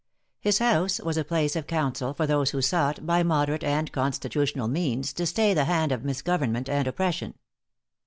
His house was a place of counsel for those who sought, by moderate and constitutional means, to stay the hand of misgov ernment and oppression.